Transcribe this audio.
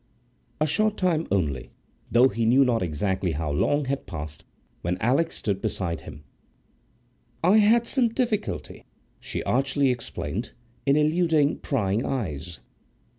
A short time only, though he knew not exactly how long, had passed when Alix stood beside him."I had some difficulty," she archly explained, "in eluding prying eyes."